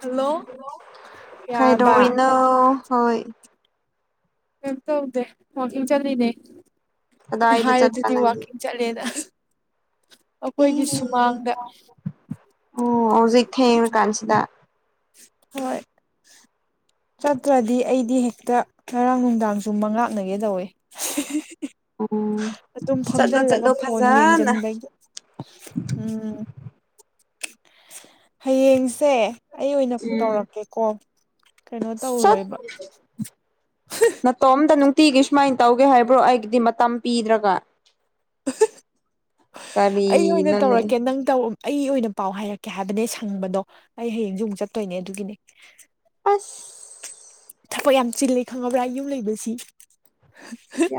hello ꯌꯥꯔꯕ ꯀꯩꯗꯧꯔꯤꯅꯣ ꯍꯣꯏ ꯀꯩꯝ ꯇꯧꯗꯦ ꯋꯥꯋꯥꯛꯀꯤꯡ ꯆꯠꯂꯤꯅꯦ ꯑꯩꯅ ꯀꯗꯥꯏꯗ ꯆꯠꯄ ꯍꯥꯏꯔꯗꯨꯗꯤ ꯅꯪꯗꯤ ꯋꯥꯥꯛꯀꯤꯡ ꯆꯠꯂꯦꯗ ꯑꯩꯈꯣꯏꯒꯤ ꯑꯦ ꯁꯨꯃꯥꯡꯗ ꯑꯣ ꯍꯧꯖꯤ ꯏꯊꯦ ꯀꯥꯟꯁꯤꯗ ꯍꯣꯏ ꯆꯠꯇ꯭ꯔꯗꯤ ꯑꯩꯗꯤ ꯍꯦꯛꯇ ꯉꯔꯥꯡ ꯅꯨꯡꯗꯥꯡꯁꯨ ꯃꯪꯂꯥꯞꯅꯒꯦ ꯇꯧꯋꯦ ꯎꯝ ꯑꯗꯨꯝ ꯆꯠꯂꯣ ꯐꯝꯖꯤꯜꯂꯒ ꯆꯠꯂꯣ ꯐꯣꯟ ꯐꯖꯅ ꯌꯦꯡꯖꯟꯕꯒꯤ ꯎꯝ ꯍꯌꯦꯡꯁꯦ ꯑꯩ ꯑꯣꯏꯅ ꯎꯝ ꯇꯧꯔꯛꯀꯦꯀꯣ ꯀꯩꯅꯣ ꯆꯠ ꯇꯧꯔꯣꯏꯕ ꯑꯇꯣꯝꯇ ꯅꯨꯡꯇꯤꯒꯤ ꯁꯨꯃꯥꯏꯅ ꯇꯧꯒꯦ ꯍꯥꯏꯕ꯭ꯔꯣ ꯑꯩꯒꯤꯗꯤ ꯃꯇꯝ ꯄꯤꯗ꯭ꯔꯒ ꯑꯩ ꯑꯣꯏꯅ ꯀꯔꯤꯅꯣꯅꯦ ꯇꯧꯔꯛꯀꯦ ꯅꯪ ꯇꯧ ꯑꯩ ꯑꯣꯏꯅ ꯄꯥꯎ ꯍꯥꯏꯔꯛꯀꯦ ꯍꯥꯏꯕꯅꯦ ꯁꯪꯕꯗꯣ ꯑꯩ ꯍꯌꯦꯡꯁꯨ ꯑꯃꯨꯛ ꯆꯠꯇꯣꯏꯅꯦ ꯑꯗꯨꯒꯤꯅꯦ ꯑꯁ ꯊꯕꯛ ꯌꯥꯝ ꯆꯤꯜꯂꯦ ꯈꯪꯉꯕ꯭ꯔꯥ ꯌꯨꯝ ꯂꯩꯕꯁꯤ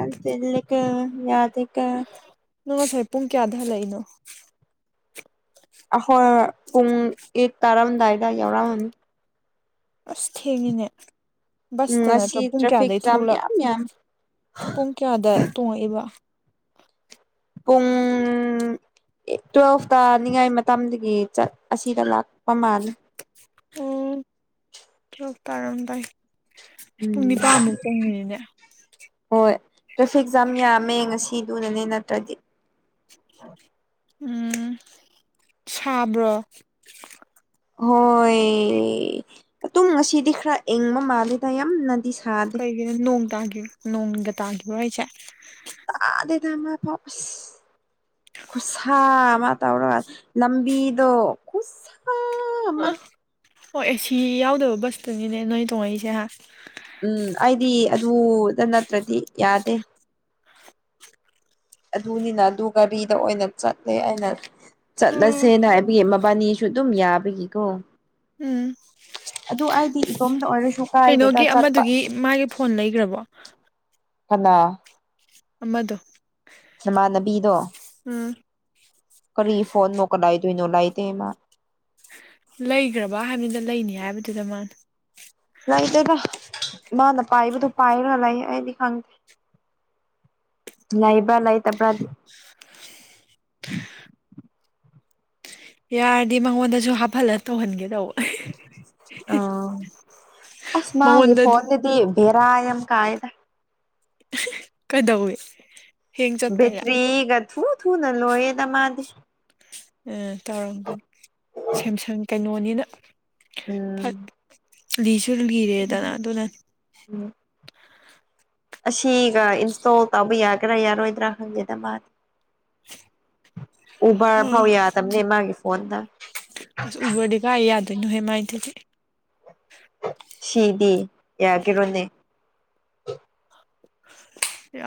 ꯌꯥꯝ ꯆꯤꯜꯂꯤꯀꯣ ꯌꯥꯗꯦꯀꯣ ꯅꯪ ꯉꯁꯥꯏ ꯄꯨꯡ ꯀꯌꯥꯗ ꯍꯜꯂꯛꯏꯅꯣ ꯑꯍꯣꯏ ꯄꯨꯡ ꯑꯩꯠ ꯇꯥꯔꯝꯗꯥꯏꯗ ꯌꯥꯎꯔꯛꯑꯃꯅꯤ ꯑꯁ ꯊꯦꯡꯉꯤꯅꯦ ꯎꯝ ꯕꯁꯇ ꯅꯠꯇ꯭ꯔ ꯉꯁꯤ ꯄꯨꯡ ꯇ꯭ꯔꯥꯐꯤꯛ ꯀꯌꯥꯗꯒꯤꯩ ꯖꯥꯝ ꯊꯣꯛꯂꯛ ꯌꯥꯝ ꯌꯥꯝ ꯄꯨꯡ ꯀꯌꯥꯗ ꯇꯣꯡꯉꯛꯏꯕ ꯄꯨꯡ ꯇꯨꯌꯦꯜꯐ ꯇꯥꯅꯤꯡꯉꯥꯏ ꯃꯇꯝꯗꯒꯤ ꯑꯁꯤꯗ ꯂꯥꯛꯄ ꯃꯥꯜꯂꯤ ꯑꯣ ꯇꯨꯌꯦꯞ ꯇꯥꯔꯛꯑꯗꯥꯏ ꯑꯁ ꯄꯨꯡ ꯎꯝ ꯅꯤꯄꯥꯥꯟꯃꯨꯛ ꯆꯪꯉꯅꯤꯅꯦ ꯍꯣꯏ ꯇ꯭ꯔꯥꯐꯤꯛ ꯖꯥꯝ ꯌꯥꯝꯃꯦ ꯉꯁꯤꯗꯨꯅꯅꯦ ꯅꯠꯇ꯭ꯔꯗꯤ ꯎꯝ ꯁꯥꯕ꯭ꯔꯣ ꯍꯣꯏ ꯑꯗꯨꯝ ꯉꯁꯤꯗꯤ ꯈꯔ ꯏꯪꯕ ꯃꯥꯜꯂꯦꯗ ꯌꯥꯝꯅꯗꯤ ꯁꯥꯗꯦ ꯀꯩꯒꯤꯅꯣ ꯅꯣꯡ ꯇꯥꯈꯤꯕ ꯅꯣꯡꯒ ꯇꯥꯈꯤꯕꯣ ꯍꯥꯏꯁꯦ ꯇꯥꯗꯦꯗ ꯑꯃꯐꯧ ꯈꯨꯠꯁꯥ ꯑꯃ ꯇꯧꯔꯒ ꯂꯝꯕꯤꯗꯣ ꯈꯨꯠꯁꯥ ꯑꯃ ꯑ ꯑꯣ ꯑꯦꯁꯤ ꯌꯥꯎꯗꯕ ꯕꯁꯇꯨꯅꯤꯅꯦ ꯅꯣꯏ ꯇꯣꯡꯉꯛꯏꯁꯦ ꯎꯝ ꯑꯩꯗꯤ ꯑꯗꯨꯗ ꯅꯠꯇ꯭ꯔꯗꯤ ꯌꯥꯗꯦ ꯑꯗꯨꯅꯤꯅ ꯑꯗꯨ ꯒꯥꯔꯤꯗ ꯑꯣꯏꯅ ꯆꯠꯂꯦ ꯑꯩꯅ ꯎꯝ ꯆꯠꯂꯁꯦꯅ ꯍꯥꯏꯕꯒꯤ ꯃꯕꯥꯅꯤꯁꯨ ꯑꯗꯨꯝ ꯌꯥꯕꯒꯤꯀꯣ ꯎꯝ ꯑꯗꯨ ꯑꯩꯗꯤ ꯏꯇꯣꯝꯇ ꯑꯣꯏꯔꯁꯤ ꯀꯩꯅꯣꯒꯤ ꯑꯃꯗꯨꯒꯤ ꯃꯥꯒꯤ ꯐꯣꯟ ꯂꯩꯈ꯭ꯔꯕꯣ ꯐꯅ ꯑꯃꯗꯣ ꯅꯃꯥꯟꯅꯕꯤꯗꯣ ꯎꯝ ꯀꯔꯤ ꯐꯣꯟꯅꯣ ꯀꯗꯥꯥꯏꯗꯩꯅꯣ ꯂꯩꯗꯦ ꯃꯥ ꯂꯩꯒ꯭ꯔꯕ ꯍꯥꯏꯕꯅꯤꯗ ꯂꯩꯅꯤ ꯍꯥꯏꯕꯗꯨꯗ ꯃꯥꯅ ꯂꯩꯗꯦꯗ ꯃꯥꯅ ꯄꯥꯏꯕꯗꯣ ꯄꯥꯏꯔꯥ ꯂꯩ ꯑꯩꯗꯤ ꯈꯪꯗꯦ ꯂꯩꯕ꯭ꯔ ꯂꯩꯇꯕ꯭ꯔꯗꯤ ꯌꯥꯔꯗꯤ ꯃꯉꯣꯟꯗꯁꯨ ꯍꯥꯞꯍꯜꯂ ꯇꯧꯍꯟꯒꯦ ꯇꯧꯕ ꯑꯣ ꯑꯁ ꯃꯥꯒꯤ ꯃꯉꯣꯟꯗꯗꯤ ꯐꯣꯟꯗꯨꯗꯤ ꯕꯦꯔꯥ ꯌꯥꯝ ꯀꯥꯏꯗ ꯀꯗꯧꯋꯤ ꯕꯦꯇ꯭ꯔꯤꯒ ꯊꯨ ꯊꯨ ꯅ ꯂꯣꯢꯌꯦꯗ ꯃꯥꯗꯤ ꯑꯥ ꯇꯧꯔꯝꯒꯅꯤ ꯁꯦꯝꯁꯪ ꯀꯩꯅꯣꯅꯤꯅ ꯎꯝ ꯐꯠ ꯂꯤꯁꯨ ꯂꯤꯔꯦꯗꯅ ꯑꯗꯨꯅꯅꯤ ꯎꯝ ꯑꯁꯤꯒ ꯏꯟꯁꯇꯣꯜ ꯇꯧꯕ ꯌꯥꯒꯦꯔꯥ ꯌꯥꯔꯣꯏꯗ꯭ꯔꯥ ꯈꯪꯗꯦꯗ ꯃꯥꯗꯤ [inaudible] ꯎꯕꯔ ꯐꯥꯎ ꯌꯥꯗꯕꯅꯦ ꯃꯥꯒꯤ ꯐꯣꯟꯗ ꯑꯁ ꯎꯕꯔꯗꯤ ꯀꯥꯏ ꯌꯥꯗꯣꯏꯅꯣꯍꯦ ꯃꯥꯢꯗꯨꯗꯤ ꯁꯤꯗꯤ ꯌꯒꯤꯔꯣꯢꯅꯦ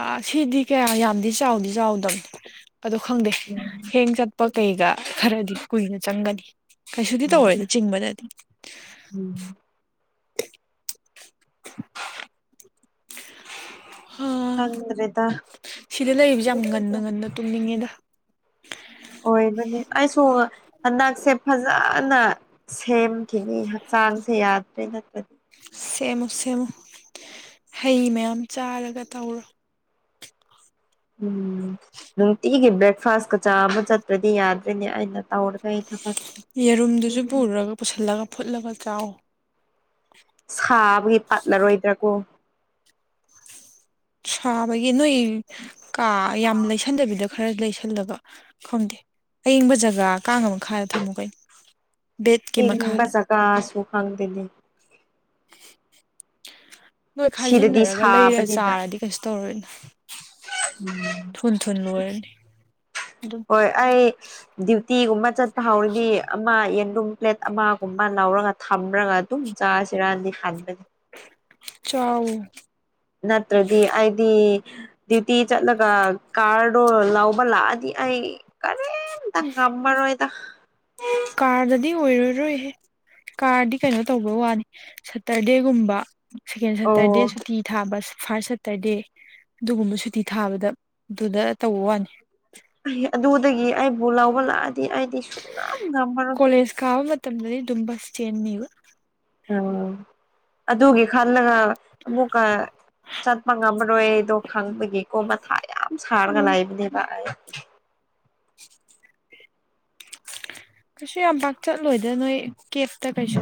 ꯑꯥ ꯁꯤꯗꯤ ꯀꯌꯥ ꯌꯥꯝꯗꯤ ꯆꯥꯎꯗꯤ ꯆꯥꯎꯗꯝꯅꯤ ꯑꯗꯣ ꯈꯪꯗꯦ [inaudible] ꯍꯦꯡ ꯆꯠꯄ ꯀꯩꯒ ꯈꯔꯗꯤ ꯀꯨꯏꯅ ꯆꯪꯒꯅꯤ ꯀꯩꯁꯨꯗꯤ ꯇꯧꯔꯣꯏꯗ ꯆꯤꯡꯕꯗꯗꯤ [inaudible] ꯑꯥ ꯈꯪꯗ꯭ꯔꯦꯗ ꯁꯤꯗ ꯂꯩꯕꯁꯦ ꯌꯥꯝ ꯉꯟꯅ ꯉꯟꯅ ꯇꯨꯝꯅꯤꯡꯉꯦꯗ ꯑꯣꯏꯕꯅꯤ ꯑꯩꯁꯨ ꯍꯟꯗꯛꯁꯦ ꯐꯖꯅ ꯁꯦꯝꯈꯤꯅꯤ ꯍꯛꯆꯥꯡꯁꯦ ꯌꯥꯗ꯭ꯔꯦ ꯅꯠꯇꯗꯤ ꯁꯦꯝꯃꯨ ꯁꯦꯝꯃꯨ ꯍꯩ ꯃꯌꯥꯝ ꯆꯥꯔꯒ ꯇꯧꯔꯣ ꯎꯝ ꯅꯨꯡꯇꯤꯒꯤ ꯕ꯭ꯔꯦꯛꯐꯥꯁꯀ ꯆꯥꯕ ꯆꯠꯇ꯭ꯔꯗꯤ ꯌꯥꯗ꯭ꯔꯦꯅꯦ ꯑꯩꯅ ꯇꯧꯔꯤꯉꯩꯗꯣ ꯌꯦꯔꯨꯝꯗꯨꯁꯨ ꯄꯨꯔꯒ ꯄꯨꯁꯤꯜꯂꯒ ꯐꯨꯠꯂꯒ ꯆꯥꯎ ꯁꯥꯕꯒꯤ ꯄꯠꯂꯔꯣꯏꯗ꯭ꯔꯥ ꯀꯣ ꯁꯥꯕꯒꯤ ꯅꯣꯏ ꯀꯥ ꯌꯥꯝ ꯂꯩꯁꯟꯗꯕꯤꯗ ꯈꯔ ꯂꯩꯁꯜꯂꯒ ꯈꯪꯗꯦ ꯑꯌꯤꯡꯕ ꯖꯒꯥ ꯀꯥꯡ ꯃꯈꯥꯗ ꯊꯝꯃꯨ ꯀꯩꯅꯣ ꯕꯦꯠꯀꯤ ꯢꯡꯕ ꯃꯈꯥꯗ ꯖꯒꯥ ꯁꯨ ꯈꯪꯗꯦꯅꯦ ꯅꯣꯏ ꯁꯤꯗꯗꯤ ꯈꯥꯏꯖꯤꯟꯅꯔꯒ ꯂꯩꯔ ꯁꯥꯕꯅꯤꯅ ꯆꯥꯔꯗꯤ ꯀꯩꯁꯨ ꯇꯧꯔꯣꯏ ꯊꯨꯟ ꯊꯨꯟ ꯂꯣꯏꯔꯅꯤ ꯑꯗꯨꯝ ꯍꯣꯏ ꯑꯩ ꯗ꯭ꯌꯨꯇꯤꯒꯨꯝꯕ ꯆꯠꯄ ꯍꯧꯔꯗꯤ ꯑꯃ ꯌꯦꯟꯗꯨꯝ ꯄ꯭ꯂꯦꯠ ꯑꯃꯒꯨꯝꯕ ꯂꯧꯔꯒ ꯊꯝꯔꯒ ꯑꯗꯨꯝ ꯆꯥꯁꯤꯔꯅꯗꯤ ꯈꯟꯕꯅꯤ ꯆꯥꯎ ꯅꯠꯇ꯭ꯔꯗꯤ ꯑꯩꯗꯤ ꯗ꯭ꯌꯨꯇꯤ ꯆꯠꯂꯒ ꯀꯥꯔꯗꯣ ꯂꯧꯕ ꯂꯥꯛꯑꯗꯤ ꯑꯩ ꯀꯔꯤꯝꯇ ꯉꯝꯃꯔꯣꯏꯗ ꯀꯥꯔꯗꯗꯤ ꯑꯣꯏꯔꯔꯣꯏꯍꯦ ꯀꯥꯔꯗꯤ ꯀꯩꯅꯣ ꯇꯧꯕ ꯋꯥꯅꯤ ꯁꯇꯔꯗꯦꯒꯨꯝꯕ ꯁꯦꯀꯦꯟꯗ ꯁꯇꯔꯗꯦ ꯑꯣ ꯁꯨꯇꯤ ꯊꯥꯕ ꯐꯥꯔꯁ ꯁꯠ ꯇꯔꯗꯦ ꯑꯗꯨꯒꯨꯝꯕ ꯁꯨꯇꯤ ꯊꯥꯕꯗ ꯑꯗꯨꯗ ꯇꯧꯕ ꯋꯥꯅꯤ ꯑꯩ ꯑꯗꯨꯗꯒꯤ ꯑꯩꯕꯨ ꯂꯧꯕ ꯂꯥꯛꯑꯗꯤ ꯑꯩꯗꯤ ꯌꯥꯝ ꯉꯝꯃꯔꯣꯢ ꯀꯣꯂꯦꯖ ꯀꯕ ꯃꯇꯝꯗꯗꯤ ꯗꯨꯝꯕ ꯁꯦꯟꯅꯤꯕ ꯑꫭ ꯑꯗꯨꯒꯤ ꯈꯜꯂꯒ ꯑꯃꯨꯛꯀ ꯆꯠꯄ ꯉꯝꯃꯔꯣꯏꯗꯣ ꯈꯪꯕꯒꯤ ꯀꯣ ꯃꯊꯥ ꯌꯥꯝ ꯁꯥꯔꯒ ꯎꯝ ꯂꯥꯏꯕꯅꯦꯕ ꯀꯩꯁꯨ ꯌꯥꯝ ꯄꯥꯛ ꯆꯠꯂꯣꯏꯗ ꯅꯣꯏ ꯀꯦꯞꯇ ꯀꯩꯁꯨ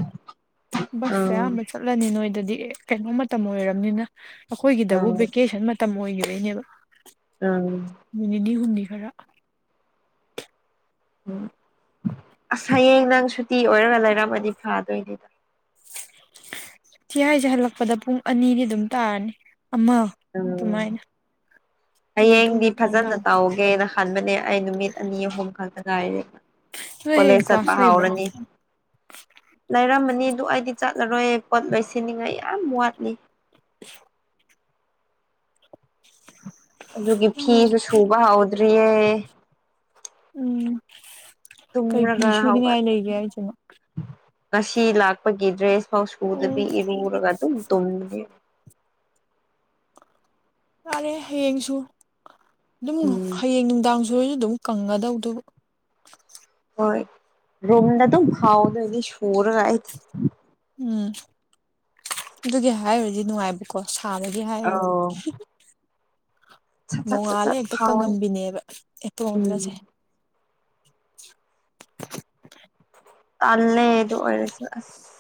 ꯕꯁꯇ ꯑꯪ ꯑꯌꯥꯝꯕ ꯆꯠ ꯆꯠꯂꯅꯤ ꯅꯣꯏꯗꯗꯤ ꯀꯩꯅꯣ ꯃꯇꯝ ꯂꫭꯏꯔꯕꯅꯤꯅ ꯑꯩꯈꯣꯏꯒꯤꯗꯕꯨ ꯑꯪ ꯚꯦꯀꯦꯁꯟ ꯃꯇꯝ ꯑꯣꯏꯈꯤꯕꯩꯅꯦꯕ ꯎꯝ ꯅꯨꯃꯤꯠ ꯅꯤꯅꯤ ꯍꯨꯝꯅꯤ ꯈꯔ ꯎꯝ ꯑꯁ ꯍꯌꯦꯡ ꯅꯪ ꯁꯨꯇꯤ ꯑꯣꯏꯔꯒ ꯂꯩꯔꯝꯃꯗꯤ ꯐꯗꯣꯏꯅꯤꯗ ꯁꯤ ꯍꯥꯏꯁꯦ ꯍꯜꯂꯛꯄꯗ ꯄꯨꯡ ꯑꯅꯤꯗꯤ ꯑꯗꯨꯝ ꯇꯥꯔꯅꯤ ꯑꯃ ꯎꯝ ꯑꯗꯨꯃꯥꯏꯅ ꯑꯗꯨ ꯃꯇꯨꯡꯗ ꯍꯌꯦꯡꯗꯤ ꯇꯧ ꯐꯖꯅ ꯇꯥꯕꯅꯤ ꯇꯥꯎ ꯒ‌ꯦꯅ ꯈꯟꯕꯅꯦ ꯑꯩ ꯅꯨꯃꯤꯠ ꯑꯅꯤ ꯑꯍꯨꯝ ꯈꯛꯇ ꯉꯥꯏꯔꯦ ꯅꯣꯏ ꯍꯌꯦꯡ ꯀꫭꯂꯦꯁ ꯆꯠꯄꯥ ꯀ꯭ꯂꯥꯁ ꯂꯩꯕ꯭ꯔꯣ ꯍꯥꯥꯎꯔꯅꯤ ꯂꯩꯔꯝꯃꯅꯤ ꯑꯗꯨ ꯑꯩꯗꯤ ꯆꯠꯂꯔꯣꯏ ꯄꯣꯠ ꯂꯣꯏꯁꯤꯟꯅꯤꯡꯉꯥꯏ ꯌꯥꯝ ꯋꯥꯠꯂꯤ [inaudible] ꯑꯗꯨꯒꯤ ꯐꯤꯁꯨ ꯁꯨꯕ ꯍꯧꯎꯗ꯭ꯔꯤꯌꯦ ꯎꯝ ꯀꯩ ꯐꯤ ꯇꯨꯝꯔꯒ ꯍꯧꯒꯠ ꯁꯨꯅꯤꯡꯉꯥꯏ ꯂꯩꯒꯦ ꯍꯥꯏꯁꯤꯅ ꯉꯁꯤ ꯂꯥꯛꯄꯒꯤ ꯗ꯭ꯔꯦꯁ ꯐꯥꯎ ꯑꯣ ꯁꯨꯗꯕꯤ ꯏꯔꯨꯔꯒ ꯑꯗꯨꯝ ꯇꯨꯝꯕꯅ‌ꯦ ꯌꯥꯔꯦ ꯍꯌꯦꯡꯁꯨ ꯑꯗꯨꯝ ꯎꯝ ꯍꯌꯦꯡ ꯅꯨꯡꯗꯥꯡ ꯁꯔꯁꯨ ꯑꯗꯨꯝ ꯀꯪꯒꯗꯧꯗꯕꯨ ꯍꯣꯏ ꯔꯣꯝꯗ ꯑꯗꯨꯝ ꯐꯥꯎꯥꯗꯣꯏꯗꯤ [unintelligible] [unintelligible] ꯁꯨꯔꯒꯥꯏꯗꯤ ꯎꯝ ꯑꯗꯨꯒꯤ ꯍꯥꯏꯔꯨꯔꯗꯤ ꯅꯨꯡꯉꯥꯏꯕ ꯀꯣ ꯁꯥꯕꯒꯤ ꯍꯥꯏꯔꯨꯔꯗꯤ ꯑꯧ ꯁꯠ ꯁꯠ ꯁꯠ ꯅꯣꯡꯉꯥꯜꯂꯦ ꯁꯠ ꯍꯦꯛꯇ ꯐꯥꯎꯔꯦ ꯀꯪꯉꯝꯕꯤꯅꯦꯕ ꯎꯝ ꯑꯦꯄꯔꫭꯟꯒꯁꯦ ꯇꯜꯂꯦ ꯑꯗꯨ ꯑꯣꯏꯔꯁꯨ ꯑꯁ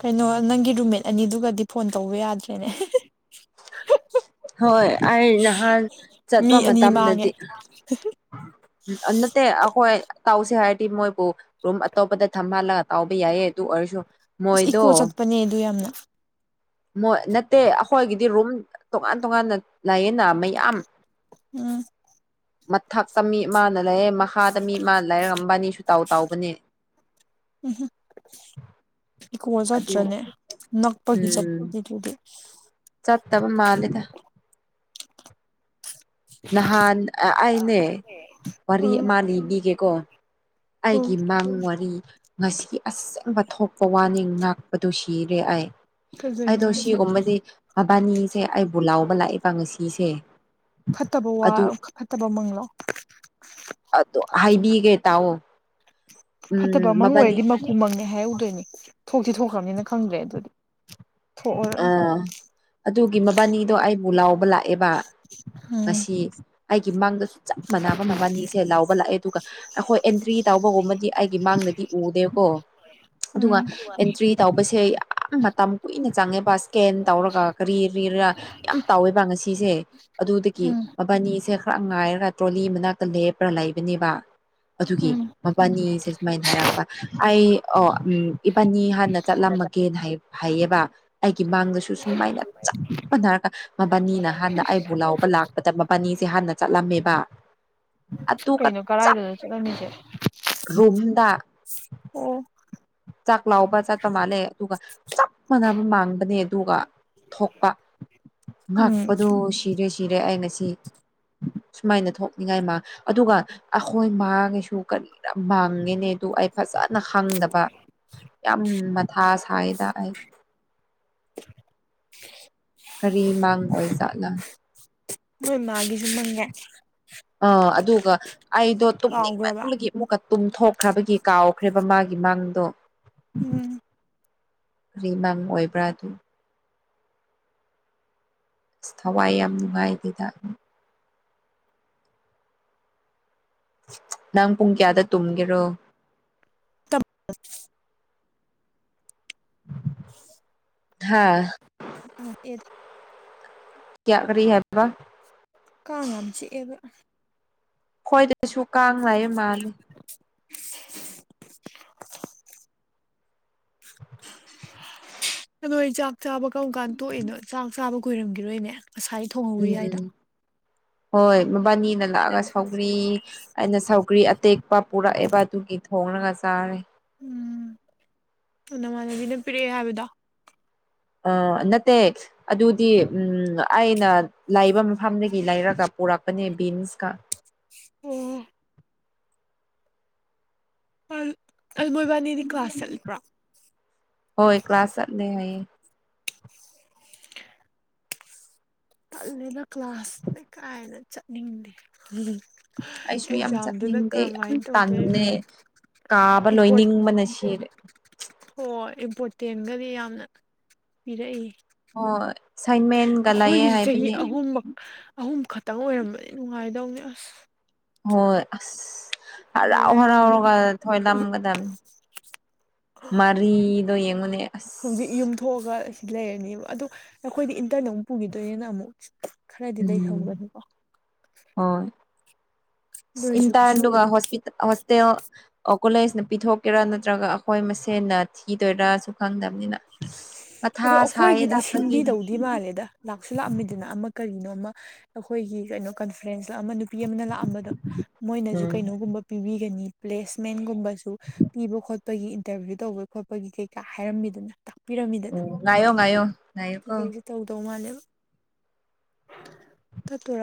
ꯀꯩꯅꯣ ꯅꯪꯒꯤ ꯔꯨꯝꯃꯦꯠ ꯑꯅꯤꯗꯨꯒꯗꯤ ꯐꯣꯟ ꯇꯧꯕ ꯌꯥꯗ꯭ꯔꯦꯅꯦ ꯍꯣꯏ ꯑꯩ ꯅꯍꯥꯟ ꯆꯠꯄ ꯃꯤ ꯑꯅꯤ ꯃꯥꯡꯉꯦ ꯃꯇꯝꯗꯗꯤ ꯅꯠꯇꯦ ꯑꯩꯈꯣꯏ ꯇꯥꯎꯁꯦ ꯍꯥꯏꯔꯗꯤ ꯃꯣꯏꯕꯨ ꯔꯨꯝ ꯑꯇꯣꯞꯄꯗ ꯊꯝꯍꯜꯂꯒ ꯇꯥꯎꯕ ꯌꯥꯏꯌꯦ ꯑꯗꯨ ꯑꯣꯏꯔꯁꯨ ꯑꯁ ꯃꯣꯏꯗꯣ ꯏꯀꯣ ꯆꯠꯄꯅꯦ ꯑꯗꯨ ꯌꯥꯝꯅ ꯃꯣꯏ ꯅꯠꯇꯦ ꯑꯩꯈꯣꯏꯒꯤꯗꯤ ꯔꯨꯝ ꯇꯣꯉꯥꯟ ꯇꯣꯉꯥꯟꯅ ꯂꯩꯌꯦꯅ ꯃꯌꯥꯝ ꯎꯝ ꯃꯊꯛꯇ ꯃꯤ ꯃꯥ ꯂꯩꯔꯦ ꯃꯈꯥꯗ ꯃꯤ ꯃꯥꯅ ꯂꯩꯔꯒ ꯛꯝꯕꯅꯤꯁꯨ [unintelligible] ꯇꯥꯎ ꯇꯥꯎꯕꯅꯦ ꯎꯝꯍꯝ ꯏꯀꯣ ꯑꯗꯨ ꯆꯠꯇ꯭ꯔꯅꯦ ꯅꯛꯄꯒꯤ ꯎꯝ ꯆꯠꯤꯗꯨꯗꯤ ꯆꯠꯇꯕ ꯃꯥꯜꯂꯦꯗ ꯅꯍꯥꯟ ꯑꯩꯅꯦ ꯋꯥꯔꯤ ꯎꯝ ꯑꯃ ꯂꯤꯕꯤꯒꯦꯀꯣ ꯑꯩꯒꯤ ꯎꯝ ꯃꯥꯡ ꯋꯥꯔꯤ ꯉꯁꯤꯒꯤ ꯑꯆ‌ꯦꯡꯕ ꯊꯣꯛꯄ ꯋꯥꯅꯤ ꯉꯥꯛꯄꯗꯨ ꯁꯤꯔꯦ ꯑꯩ ꯀꯩꯗꯩꯅꯣ ꯑꯩꯗꯣ ꯍꯥꯏꯁꯦ ꯁꯤꯒꯨꯝꯕꯗꯤ ꯃꯕꯥꯅꯤꯁꯦ ꯑꯩꯕꯨ ꯂꯥꯎꯕ ꯂꯥꯛꯑ‌ꯦꯕ ꯉꯁꯤꯁꯦ ꯐꯠꯇꯕ ꯑꯗꯨ ꯋꯥꯔꫭ ꯐꯠꯇꯕ ꯃꯪꯪꯂꯣ ꯑꯗꯣ ꯍꯥꯏꯕꯤꯒꯦ ꯇꯥꯎꯑꯣ ꯐꯠꯇꯕ ꯎꯝ ꯃꯪ ꯃꯕꯥꯅꯤ ꯑꯣꯏꯔꯗꯤ ꯃꯀꯨ ꯃꯪꯅꯦ ꯍꯥꯏꯍꯧꯗꯣꯏꯅꯤ ꯊꯣꯛꯇꯤ ꯊꯣꯛꯈ꯭ꯔꯕꯅꯤꯅ ꯈꯪꯗ꯭ꯔꯦ ꯑꯗꯨꯗꯤ ꯊꯣꯛꯑꯔꯣꯏ ꯑꯥ ꯑꯗꯨꯒꯤ ꯃꯕꯥꯅꯤꯗꯣ ꯑꯩꯕꯨ ꯂꯥꯎꯕ ꯂꯥꯛꯑꯦꯕ ꯎꯝ ꯉꯁꯤ ꯑꯩꯒꯤ ꯃꯥꯡꯗꯁꯨ ꯆꯞ ꯃꯥꯟꯅꯕ ꯃꯕꯅꯤꯁ‌ꯦ ꯁꯦ ꯂꯥꯎꯕ ꯂꯥꯛꯑꯦ ꯑꯗꯨꯒ ꯑꯩꯈꯣꯏ ꯑꯦꯟꯇ꯭ꯔꯤ ꯇꯥꯎꯕꯒꯨꯝꯕꯗꯤ ꯑꯩꯒꯤ ꯃꯥꯡꯗꯗꯤ ꯎꯗꯦꯀꯣ ꯑꯗꯨꯒ ꯎꯝ ꯑꯦꯟꯇ꯭ꯔꯤ ꯇꯧꯕꯁꯦ ꯌꯥꯝ.. ꯃꯇꯝ ꯀꯨꯏꯅ ꯆꯪꯉꯦꯕ ꯏꯁꯀꯦꯟ ꯇꯧꯔꯒ ꯀꯔꯤ ꯀꯔꯤꯔ ꯌꯥꯝ ꯇꯧꯋꯦꯕ ꯉꯁꯤꯁꯦ ꯑꯗꯨꯗꯒꯤ ꯃꯕꯥꯅꯤꯁꯦ ꯈꯔ ꯉꯥꯏꯔꯒ ꯇ꯭ꯔꯣꯂꯤ ꯃꯅꯥꯛꯇ ꯂꯦꯞꯄ꯭ꯔ ꯂꯩꯕꯅꯦꯕ ꯑꯗꯨꯒꯤ ꯎꯝ ꯑꯝ ꯏꯕꯥꯅꯤꯁꯦ ꯁꯨꯃꯥꯏꯅ ꯍꯥꯏꯔꯛꯄ ꯑꯩ ꯑꯣ ꯎꯝ ꯏꯕꯥꯅꯤ ꯍꯥꯟꯅ ꯆꯠꯂꯝꯃꯒꯦꯅ ꯍꯥꯏ ꯍꯩꯌꯦꯕ ꯑꯩꯒꯤ ꯃꯥꯡꯗꯁꯨ ꯁꯨꯃꯥꯏꯅ ꯆꯞ ꯃꯥꯟꯅꯔꯒ ꯃꯕꯥꯅꯤꯅ ꯍꯥꯟꯅ ꯑꯩꯕꯨ ꯂꯥꯎꯕ ꯂꯥꯛꯄꯗ ꯃꯕꯥꯅꯤꯁꯦ ꯍꯥꯟꯅ ꯆꯠꯂꯝꯃꯦꯕ ꯑꯗꯨꯒ ꯀꯩꯅꯣ ꯆꯞ ꯀꯔꯥꯏꯗꯅꯣ ꯆꯠꯂꯝꯃꯤꯖꯦ ꯔꯨꯝꯗ ꯑꯣ ꯆꯥꯛ ꯂꯥꯎꯕ ꯆꯠꯄ ꯃꯥꯜꯂꯦ ꯑꯗꯨꯒ ꯆꯞ ꯃꯥꯟꯅꯕ ꯃꯥꯡꯕꯅꯦ ꯑꯗꯨꯒ ꯊꯣꯛꯄ ꯎꯝ ꯉꯥꯛꯄꯗꯨ ꯁꯤꯔꯦ ꯁꯤꯔꯦ ꯑꯩ ꯉꯁꯤ ꯁꯨꯃꯥꯏꯅ ꯊꯣꯛꯅꯤꯡꯉꯥꯏ ꯃꯥ ꯑꯗꯨꯒ ꯑꯩꯈꯣꯏ ꯃꯥꯒꯤꯁꯨ ꯀꯔꯤꯅ ꯃꯥꯡꯉꯦꯅꯦ ꯑꯗꯨ ꯑꯩ ꯐꯖꯅ ꯈꯪꯗꯕ [unintelligible] ꯌꯥꯝ ꯃꯊꯥ ꯁꯥꯏꯌꯦꯗ ꯑꯩ [unintelligible] ꯀꯔꯤ ꯃꯥꯡꯕ ꯑꯣꯏ ꯖꯥꯠꯅꯣ ꯅꯣꯢ ꯃꯥꯒꯤꯖꯨ ꯃꯪꯉꯦ ꯑ ꯑꯗꯨꯒ ꯑꯩꯗꯣ ꯇꯨꯝꯅꯤꯡ ꯀꯥꯎꯈ꯭ꯔꯕ ꯃꯟꯕꯒꯤ ꯑꯃꯨꯛꯀ ꯇꯨꯝꯊꯣꯛꯈ꯭ꯔꯕꯒꯤ ꯀꯥꯎꯈ꯭ꯔꯦꯕ ꯃꯥꯒꯤ ꯃꯥꯡꯗꯣ ꯎꯝ ꯔꯤꯃꯥꯡ ꯑꯣꯏꯕ꯭ꯔꯥ ꯑꯗꯨ ꯑꯁ ꯊꯋꯥꯏ ꯌꯥꯝ ꯅꯨꯡꯉꯥꯏꯇꯦꯗ ꯅꯪ ꯄꯨꯡ ꯀꯌꯥꯗ ꯇꯨꯝꯒꯦꯔꯣ [unintelligible] [unintelligible] ꯍꯥꯥ ꯎꯝ ꯑꯦ ꯀꯌꯥ ꯀꯔꯤ ꯍꯥꯏꯕ꯭ꯔ ꯀꯥꯡ ꯌꯥꯝ ꯆꯤꯛꯑꯦꯗ ꯈꯣꯏꯗꯁꯨ ꯀꯥꯡ ꯂꯩꯌꯦ ꯃꯥꯜꯂꯤ [unintelligible] ꯅ ꯅꯣꯏ ꯆꯥꯛ ꯆꯥꯕ ꯀꯔꯝ ꯀꯥꯟ ꯇꯣꯛꯏꯅꯣ ꯆꯥꯛ ꯆꯥꯕ ꯀꯣꯏꯔꯝꯈꯤꯔꯣꯏꯅꯦ ꯉꯁꯥꯏ ꯊꯣꯡꯒꯔꯤ ꯌꯥꯏꯗ ꯎꯝ ꯍꯣꯏ ꯃꯕꯥꯅꯤꯅ ꯂꯥꯛꯑꯒ ꯁꯧꯒ꯭ꯔꯤ ꯑꯩꯅ ꯁꯧꯒ꯭ꯔꯤ ꯑꯇꯦꯛꯄ ꯄꯨꯔꯛꯑꯦꯕ ꯑꯗꯨꯒꯤ ꯊꯣꯡꯉꯒ ꯆꯥꯔꯦ ꯎꯝ ꯅꯃꯥꯟꯅꯕꯤꯅ ꯄꯤꯔꯛꯑꯦ ꯍꯥꯏꯕꯗꯣ ꯑ ꯅꯠꯇꯦ ꯑꯗꯨꯗꯤ ꯑꯩꯅ ꯂꯩꯕ ꯃꯐꯝꯗꯒꯤ ꯂꯩꯔꯒ ꯄꯨꯔꯛꯄꯅꯦ ꯕꯤꯟꯁꯀ ꯑꯣ ꯑꯜ ꯃꯣꯏꯕꯥꯅꯤꯗꯤ ꯀ꯭ꯂꯥꯁ ꯆꯠꯂꯕ꯭ꯔꯣ ꯍꯣꯏ ꯀ꯭ꯂꯥꯁ ꯆꯠꯂꯤꯅꯦ ꯍꯥꯢꯌꯦ ꯇꯜꯂꯦꯗ ꯀ꯭ꯂꯥꯁ ꯂꯩ ꯀꯥꯏꯗ ꯆꯠꯅꯤꯡꯗꯦ ꯑꯩꯁꯨ ꯌꯥꯝ ꯑꯦꯛꯖꯥꯝꯗꯨꯅ ꯆꯠꯅꯤꯡꯗꯦ ꯌꯥꯝ ꯀꯔꯝꯍꯥꯏꯅ ꯇꯧꯗꯣꯏꯕ ꯇꯥꯅꯤꯗꯦ ꯀꯥꯕ ꯂꯣꯏꯅꯤꯡꯕꯅ ꯁꯤꯔꯦ ꯍꯣꯏ ꯏꯝꯄꯣꯔꯇꯦꯟꯒꯗꯤ ꯌꯥꯝꯅ ꯄꯤꯔꯛꯏ ꯍꯣꯏ ꯑꯁꯥꯏꯃꯦꯟꯒ ꯂꯩꯌꯦ ꯑꯩꯈꯣꯏꯒꯤꯁꯨ ꯆꯍꯤ ꯍꯥꯏꯕꯅꯤ ꯑꯍꯨꯝꯃꯛ ꯑꯍꯨꯝ ꯈꯛꯇꯪ ꯑꯣꯏꯔꯝꯕꯗꯤ ꯅꯨꯡꯉꯥꯏꯗꯧꯅꯤ ꯑꯁ ꯍꯣꯏ ꯑꯁ ꯍꯔꯥꯎ ꯇꯜꯂꯦ ꯌꯥꯝꯅ ꯍꯔꯥꯎꯔꯒ ꯊꯣꯏꯅꯝꯒꯗꯝꯅꯤ ꯃꯔꯤꯗꯣ ꯌꯦꯡꯉꯨꯅꯦ ꯑꯁ ꯌꯨꯝꯊꯣꯛꯑꯒ ꯁꯤ ꯂꯩꯔꯅꯦꯕ ꯑꯗꯣ ꯅꯈꯣꯏꯗꯤ ꯏꯟꯇꯔꯅ ꯑꯃꯨꯛ ꯄꯨꯒꯤꯗꯣꯏꯅꯤꯅ ꯑꯃꯨꯛ ꯈꯔꯗꯤ ꯎꯝ ꯂꯩꯍꯧꯒꯅꯤꯀꯣ ꯍꯣꯏ ꯑꯗꯨ ꯑꯣꯏꯔꯁꯨ ꯀꯩꯁꯨ ꯏꯟꯇꯔꯟꯗꯨꯒ ꯍꯣꯁꯄꯤ ꯍꯣꯁꯇꯦꯜ ꯑꯣ ꯀꯣꯂꯦꯖꯅ ꯄꯤꯊꯣꯛꯀꯦꯔꯥ ꯅꯠꯇ꯭ꯔꯒ ꯑꯩꯈꯣꯏ ꯃꯁꯦꯟꯅ ꯊꯤꯗꯣꯏꯔꯥꯁꯨ ꯈꯪꯗꯝꯅꯤꯅ ꯑꯗꯣ ꯑꯩꯈꯣꯏꯒꯤꯗꯤ ꯁꯤꯟꯕꯤꯗꯧꯗꯤ ꯃꯥꯜꯂꯦꯗ ꯂꯥꯛꯁꯨ ꯂꯥꯛꯑꯝꯃꯤꯗꯅ ꯑꯃ ꯀꯔꯤꯅꯣꯃ ꯑꯩꯈꯣꯏꯒꯤ ꯀꯩꯅꯣ ꯀꯟꯐ꯭ꯔꯦꯟꯁꯂ ꯂꯥꯛꯑꯝꯕ ꯅꯨꯄꯤ ꯑꯃꯅ ꯂꯥꯛꯑꯝꯕꯗ ꯃꯣꯏꯅꯁꯨ ꯎꯝ ꯀꯩꯅꯣꯒꯨꯝꯕ ꯄꯤꯕꯤꯒꯅꯤ ꯄꯂꯦꯁꯃꯦꯟꯒꯨꯝꯕꯁꯨ ꯄꯤꯕ ꯈꯣꯠꯄꯒꯤ ꯏꯟꯇꯔꯚꯤꯌꯨ ꯇꯧꯕꯩ ꯈꯣꯠꯄꯒꯤ ꯀꯩꯀꯥ ꯍꯥꯏꯔꯝꯃꯤꯗꯅ ꯇꯥꯛꯄꯤꯔꯝꯃꯤꯗꯅ ꯎꯝ ꯉꯥꯏꯌꯣ ꯉꯥꯏꯌꯣ ꯉꯥꯏꯌꯣꯀꯣ ꯀꯩꯀꯩꯁꯨ ꯇꯧꯗꯧ ꯃꯥꯜꯂꯦꯕ ꯇꯠꯇꯣꯔꯥ